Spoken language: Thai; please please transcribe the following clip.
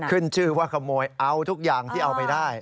ขึ้นชื่อว่าขโมยเอาทุกอย่างที่เอาไปได้